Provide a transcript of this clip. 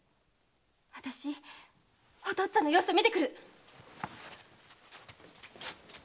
私お父っつぁんの様子を見てくる！